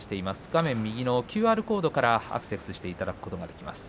画面右のＱＲコードからアクセスしていただくことができます。